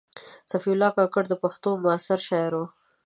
صفي الله کاکړ د پښتو معاصر شاعر و.